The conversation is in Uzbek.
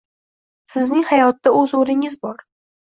Sizning hayotda o’z o’rningiz bor